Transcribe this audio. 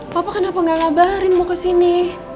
papa kenapa gak ngabarin mau kesini